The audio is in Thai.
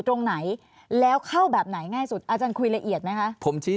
ตรงไหนแล้วเข้าแบบไหนง่ายสุดอาจารย์คุยละเอียดไหมคะ